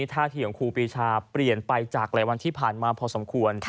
ท่าทีของครูปีชาเปลี่ยนไปจากหลายวันที่ผ่านมาพอสมควร